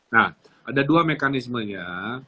nah ada dua mekanismenya